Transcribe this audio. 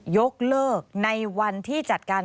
ยกเลิกในวันที่จัดการ